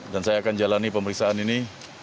dan saya akan jalani pemeriksaan ini